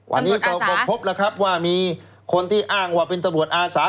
วันนี้ก็พบว่ามีคนที่อ้างว่าเป็นตำรวจอาศา